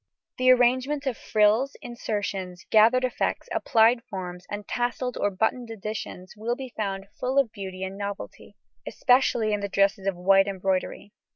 The arrangement of frills, insertions, gathered effects, applied forms, and tasselled or buttoned additions, will be found full of beauty and novelty, especially in the dresses of white embroidery.